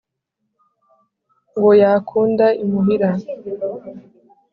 Ngo yakunda imuhira.